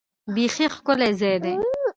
بیخي ښکلی ځای دی .